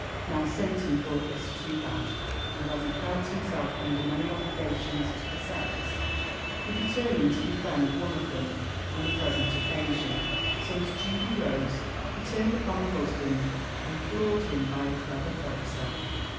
Now Satan thought this too bad; and as he felt himself under many obligations to the sex, he determined to defend one of them on the present occasion; so as Judy rose, he turned upon the husband, and floored him by a clever facer.